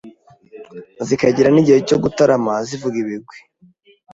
zikagira n’igihe cyo gutarama zivuga ibigwi.